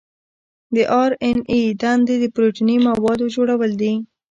د آر این اې دنده د پروتیني موادو جوړول دي.